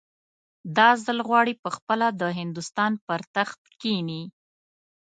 دا ځل غواړي پخپله د هندوستان پر تخت کښېني.